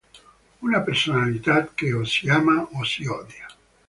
Una personalità che o si ama o si odia.